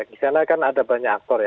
di sana kan ada banyak aktor ya